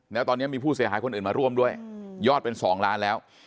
แล้วตอนนี้มีผู้เสียหายคนอื่นมาร่วมด้วยยอดเป็น๒ล้านแล้ว